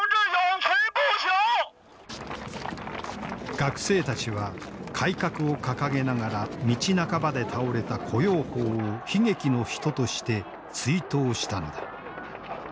学生たちは改革を掲げながら道半ばで倒れた胡耀邦を悲劇の人として追悼したのだ。